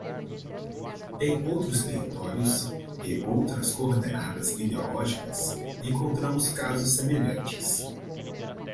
Em outros territórios e outras coordenadas ideológicas, encontramos casos semelhantes.